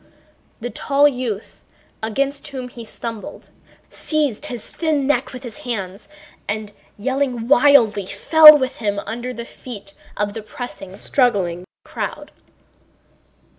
The tall youth, against whom he stumbled, seized his thin neck with his hands and, yelling wildly, fell with him under the feet of the pressing, struggling crowd.